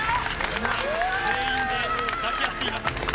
今全員で抱き合っています。